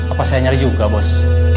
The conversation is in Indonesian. apa saya nyari juga bos